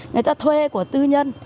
người ta thuê của tư nhân